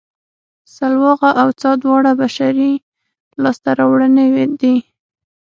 سلواغه او څا دواړه بشري لاسته راوړنې دي